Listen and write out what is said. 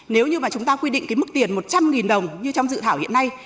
nếu như mà chúng ta quy định cái mức tiền một trăm linh đồng như trong dự thảo hiện nay